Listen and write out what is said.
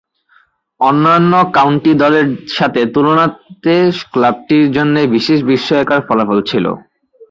অন্যান্য কাউন্টি দলের সাথে তুলনান্তে ক্লাবটির জন্যে বেশ বিস্ময়কর ফলাফল ছিল।